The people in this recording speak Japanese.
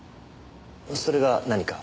それが何か？